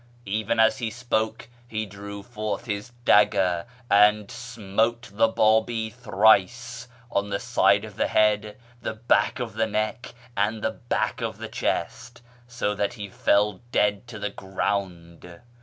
' Even as he spoke he drew forth his dagger, and smote the Babi thrice — on the side of the head, the back of the neck, and the back of the chest — so that he fell dead to the ground.